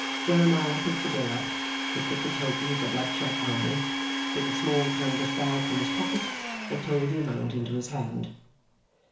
Jeremiah picked the bill up, looked at the total with a bloodshot eye, took a small canvas bag from his pocket, and told the amount into his hand.